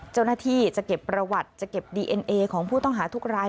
เจ้าหน้าที่จะเก็บประวัติจะเก็บดีเอ็นเอของผู้ต้องหาทุกราย